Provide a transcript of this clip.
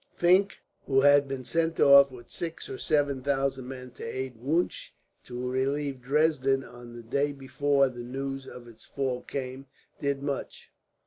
Fink, who had been sent off, with six or seven thousand men, to aid Wunsch to relieve Dresden, on the day before the news of its fall came, did much.